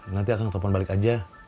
nanti akan telepon balik aja